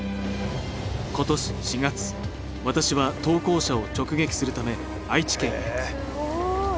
今年４月、私は投稿者を直撃するため愛知県へ。